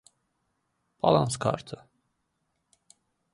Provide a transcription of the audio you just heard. Balans Kartı.